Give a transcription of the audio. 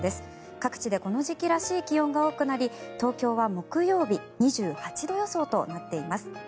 各地でこの時期らしい気温が多くなり東京は木曜日、２８度予想となっています。